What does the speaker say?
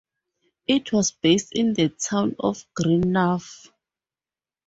It was based in the town of Greenough.